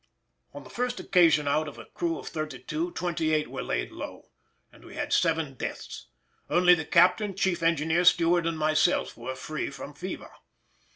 On the first occasion out of a crew of thirty two twenty eight were laid low, and we had seven deaths; only the captain, chief engineer, steward, and myself were free from fever.